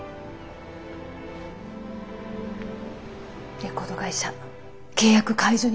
レコード会社契約解除になりました。